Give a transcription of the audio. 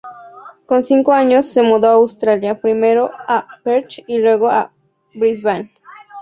Con cinco años se mudó a Australia, primero a Perth y luego a Brisbane.